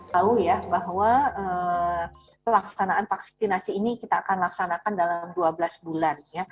tahu ya bahwa pelaksanaan vaksinasi ini kita akan laksanakan dalam dua belas bulan